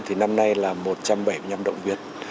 thì năm nay là một trăm bảy mươi năm động viên